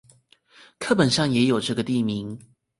課本上也有這個地名